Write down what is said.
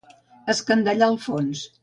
Escandallar el fons.